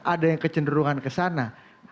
ada yang kecenderungan ke sana